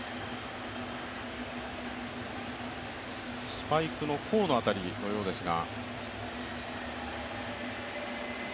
スパイクの甲の辺りのようですが。